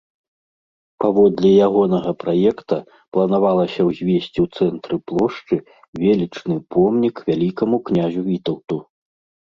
Паводле ягонага праекта планавалася ўзвесці ў цэнтры плошчы велічны помнік Вялікаму Князю Вітаўту.